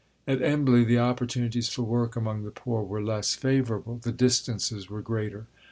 At Embley the opportunities for work among the poor were less favourable. The distances were greater.